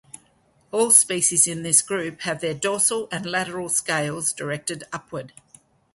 All species in this group have their dorsal and lateral scales directed upward.